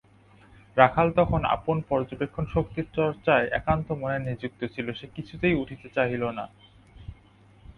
রাখাল তখন আপন পর্যবেক্ষণশক্তির চর্চায় একান্তমনে নিযুক্ত ছিল, সে কিছুতেই উঠিতে চাহিল না।